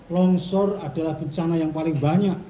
longsor adalah bencana yang paling banyak